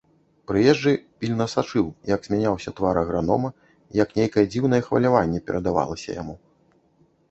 Прыезджы пільна сачыў, як змяняўся твар агранома, як нейкае дзіўнае хваляванне перадавалася яму.